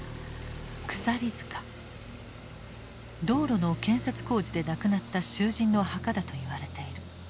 道路の建設工事で亡くなった囚人の墓だといわれている。